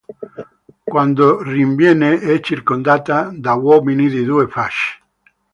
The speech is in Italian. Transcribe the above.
Quando rinviene è circondata da uomini di Due Facce.